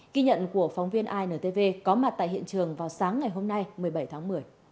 kỳ nhận của phóng viên intv có mặt tại hiện trường vào sáng ngày hôm nay một mươi bảy tháng một mươi